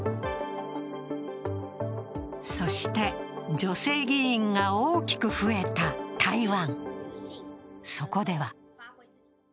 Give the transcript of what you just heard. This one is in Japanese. そして、女性議員が大きく増えた台湾。